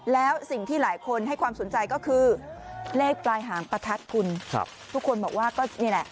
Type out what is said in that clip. แล้วสิ่งที่หลายคนให้ความสนใจก็คือเลขปลายหางประทัดคุณครับทุกคนบอกว่าก็นี่แหละ